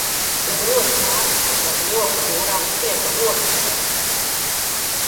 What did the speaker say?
Ir ļoti karsts, bet logu turam ciet odu dēļ.